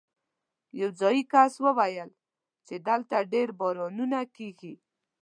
یو ځايي کس وویل چې دلته ډېر بارانونه کېږي.